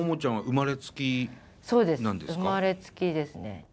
生まれつきですね。